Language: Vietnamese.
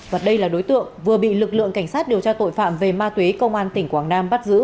và đây là đối tượng vừa bị lực lượng cảnh sát điều tra tội phạm về ma túy công an tỉnh quảng nam bắt giữ